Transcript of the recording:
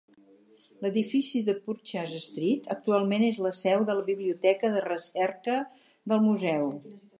L'edifici de Purchase Street actualment és la seu de la Biblioteca de recerca del museu.